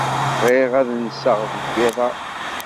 Bɣiɣ ad n-aseɣ deg yiḍ-a.